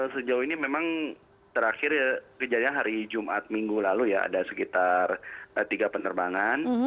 sejauh ini memang terakhir kejadian hari jumat minggu lalu ya ada sekitar tiga penerbangan